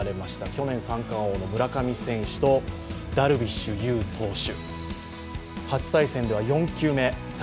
去年、三冠王の村上選手とダルビッシュ投手。